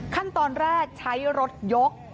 ขั้นตอนแรกใช้รถยก